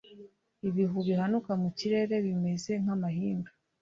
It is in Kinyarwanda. ibihu bihanuka mu kirere bimeze nk'amahindu